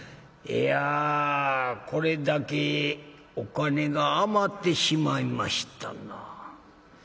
いやこれだけお金が余ってしまいましたな。